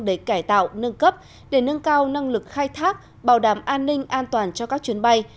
để cải tạo nâng cấp để nâng cao năng lực khai thác bảo đảm an ninh an toàn cho các chuyến bay